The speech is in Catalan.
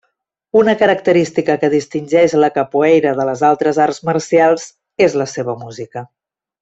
Una característica que distingeix la capoeira de les altres arts marcials és la seva música.